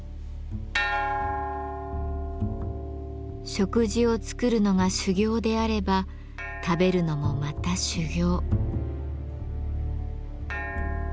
食事を作るのが修行であれば食べるのもまた修行。